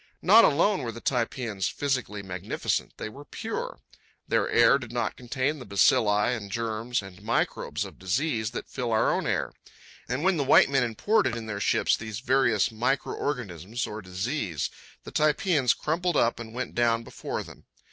Not alone were the Typeans physically magnificent; they were pure. Their air did not contain the bacilli and germs and microbes of disease that fill our own air. And when the white men imported in their ships these various micro organisms or disease, the Typeans crumpled up and went down before them.